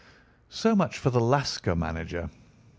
"So much for the Lascar manager.